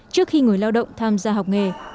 trước khi người lao động tham gia học nghề